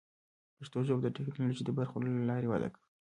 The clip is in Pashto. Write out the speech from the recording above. پښتو ژبه د ټکنالوژۍ د برخو له لارې وده کوي.